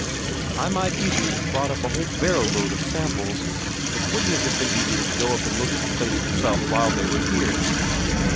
"I might easily have brought up a whole barrow load of samples, but wouldn't it have been easier to go up and look at the place itself while they were here?"